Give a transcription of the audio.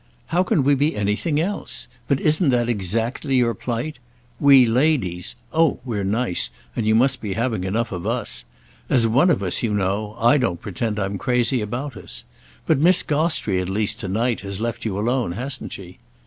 "How can we be anything else? But isn't that exactly your plight? 'We ladies'—oh we're nice, and you must be having enough of us! As one of us, you know, I don't pretend I'm crazy about us. But Miss Gostrey at least to night has left you alone, hasn't she?"